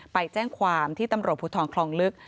ไปแจ้งความที่ตำรวจภูทรคลองลึก